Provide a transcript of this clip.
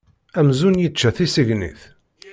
Amzun yečča tisegnit.